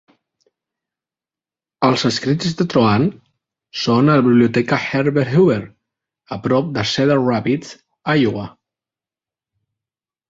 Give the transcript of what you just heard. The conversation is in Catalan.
Els escrits de Trohan són a la Biblioteca Herbert Hoover, a prop de Cedar Rapids, Iowa.